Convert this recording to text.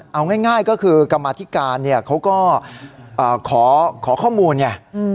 เอาง่ายก็คือกรรมอธิการเนี่ยเขาก็ขอข้อมูลเนี่ย